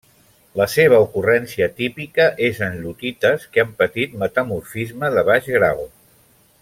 La seva ocurrència típica és en lutites que han patit metamorfisme de baix grau.